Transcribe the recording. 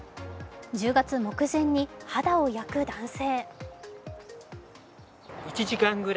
１０月目前に肌を焼く男性。